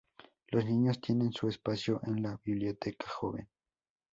Los niños tienen su espacio en la Biblioteca Joven.